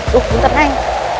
tuh bentar neng